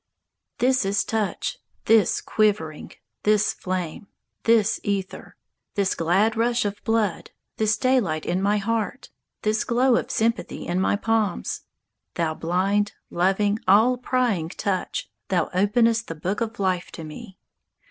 This is touch, this quivering, This flame, this ether, This glad rush of blood, This daylight in my heart, This glow of sympathy in my palms! Thou blind, loving, all prying touch, Thou openest the book of life to me.